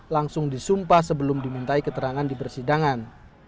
langsung disumpah sebelum dimintai keterangan di persidangan